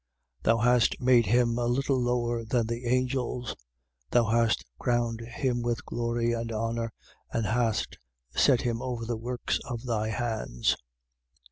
2:7. Thou hast made him a little lower than the angels: thou hast crowned him with glory and honour and hast set him over the works of thy hands.